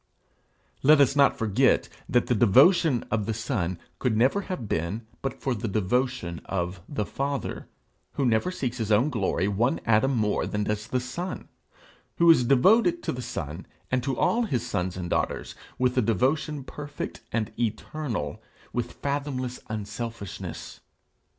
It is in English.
Let us not forget that the devotion of the Son could never have been but for the devotion of the Father, who never seeks his own glory one atom more than does the Son; who is devoted to the Son, and to all his sons and daughters, with a devotion perfect and eternal, with fathomless unselfishness.